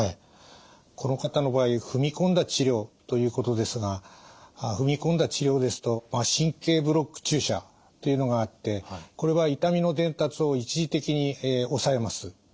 この方の場合「踏み込んだ治療」ということですが「踏み込んだ治療」ですと神経ブロック注射というのがあってこれは痛みの伝達を一時的に抑えます。